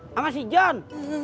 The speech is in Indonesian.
sama si john